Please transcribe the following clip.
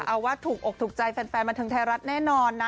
เอาว่าถูกอกถูกใจแฟนบันเทิงไทยรัฐแน่นอนนะ